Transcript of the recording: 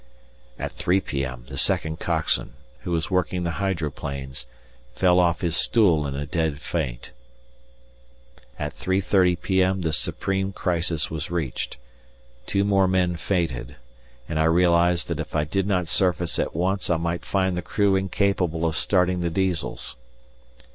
At 3 p.m. the second coxswain, who was working the hydroplanes, fell off his stool in a dead faint. At 3.30 p.m. the supreme crisis was reached: two more men fainted, and I realized that if I did not surface at once I might find the crew incapable of starting the Diesels.